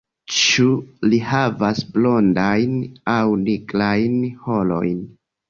Ĉu li havas blondajn aŭ nigrajn harojn?